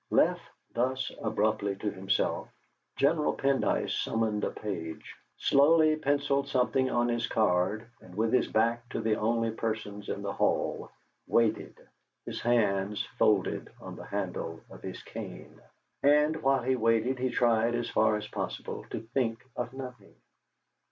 Left thus abruptly to himself, General Pendyce summoned a page, slowly pencilled something on his card, and with his back to the only persons in the hall, waited, his hands folded on the handle of his cane. And while he waited he tried as far as possible to think of nothing.